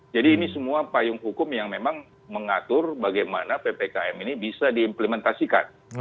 jadi ini semua payung hukum yang memang mengatur bagaimana ppkm ini bisa diimplementasikan